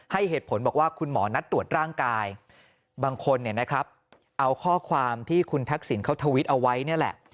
ให้เหตุผลบอกว่าคุณหมอนัดตรวจร่างกายบางคนเอาข้อความที่คุณทักษิณเขาทวิตเอาไว้นี่แหละ